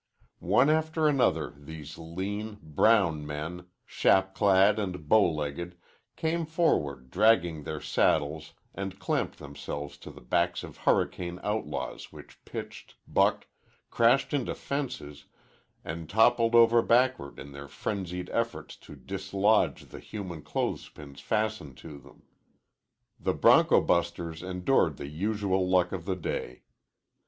One after another these lean, brown men, chap clad and bow legged, came forward dragging their saddles and clamped themselves to the backs of hurricane outlaws which pitched, bucked, crashed into fences, and toppled over backward in their frenzied efforts to dislodge the human clothes pins fastened to them. The bronco busters endured the usual luck of the day.